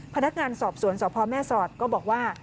พนักงานสอบสวนสพแม่สอดก็บอกว่า